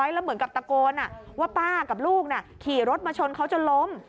แล้วเหมือนกับตะโกนว่าป้ากับลูกขี่รถมาชนเขาจนล้ม